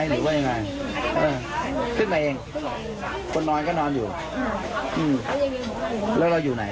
แล้วเราวิ่งหรือไหม